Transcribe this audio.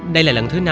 đây là lần thứ năm